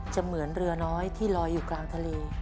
เหมือนเรือน้อยที่ลอยอยู่กลางทะเล